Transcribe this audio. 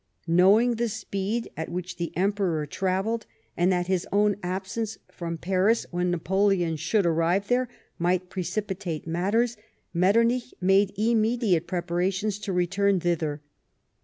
Knowing the speed at which the Emperor travelled, and that his own absence from Paris when Napoleon should arrive there might precipitate matters, Metternich made immediate prepara tions to return thither.